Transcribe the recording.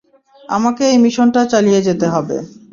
আমাকে এই মিশনটা চালিয়ে যেতে হবে।